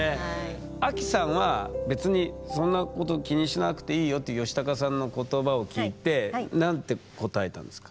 アキさんは別にそんなこと気にしなくていいよっていうヨシタカさんの言葉を聞いて何て答えたんですか？